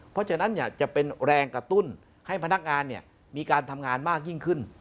เพราะฉะนั้นจะเป็นแรงกระตุ้นให้พนักงานมีการทำงานมากยิ่งขึ้น